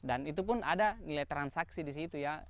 dan itu pun ada nilai transaksi di situ ya